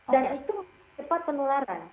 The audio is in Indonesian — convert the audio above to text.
dan itu cepat penularan